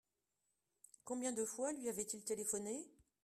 Combien de fois lui avaient-ils téléphoné ?